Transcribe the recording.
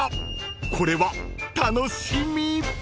［これは楽しみ］